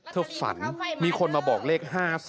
เธอฝันมีคนมาบอกเลข๕๒